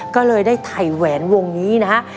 ก็เลยได้ไถ่แหวนวงนี้นะครับ